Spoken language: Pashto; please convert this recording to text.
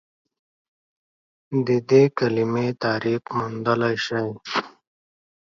د دې کلمې تعریف موندلی شئ؟